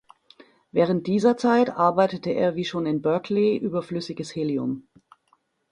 Während dieser Zeit arbeitete er wie schon in Berkeley über flüssiges Helium.